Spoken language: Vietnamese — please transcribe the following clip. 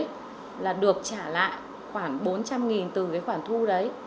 lúc đấy là được trả lại khoảng bốn trăm linh từ cái khoản thu đấy